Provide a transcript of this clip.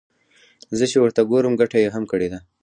زه چې ورته ګورم ګټه يې هم کړې ده.